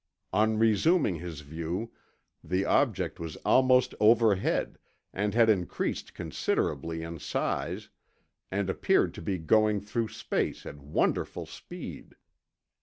On resuming his view, the object was almost overhead and had increased considerably in size, and appeared to be going through space at wonderful speed.